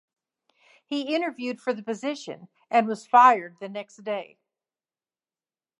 He interviewed for the position, and was fired the next day.